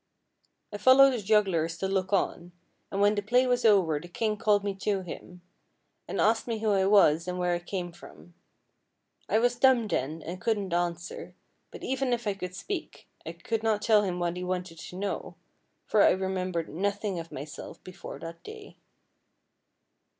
I followed the jugglers to look on, and when the play was over the king called me to him, and asked me who I was and where I came from. I was dumb then, and couldn't answer; but even if I could speak I could not tell him what he wanted to know, for I remembered nothing of myself before that day.